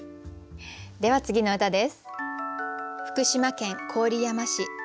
では次の歌です。